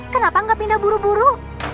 kenapa nggak pindah buru buru